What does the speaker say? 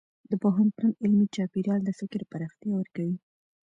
د پوهنتون علمي چاپېریال د فکر پراختیا ورکوي.